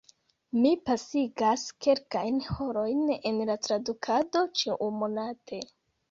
Mi pasigas kelkajn horojn en la tradukado ĉiumonate.